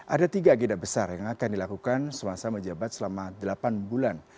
ada tiga agenda besar yang akan dilakukan semasa menjabat selama delapan bulan